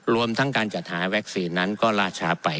รวมทั้งการจัดหาวัคซีนนั้นก็ล่าช้าไป